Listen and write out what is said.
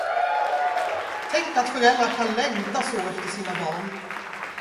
Tänk, att föräldrar kan längta så efter sina barn!